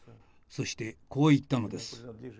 そしてこう言ったのです。